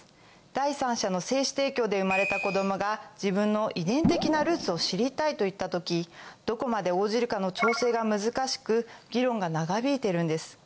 第三者の精子提供で産まれた子供が自分の遺伝的なルーツを知りたいといった時どこまで応じるかの調整が難しく議論が長引いてるんです。